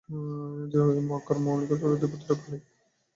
সে মক্কার ওলীদের পুত্র খালিদ।